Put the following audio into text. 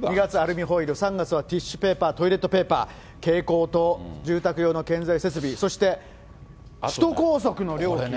２月アルミホイル、３月はティッシュペーパー、トイレットペーパー、蛍光灯、住宅用の建材設備、そして首都高速の料金。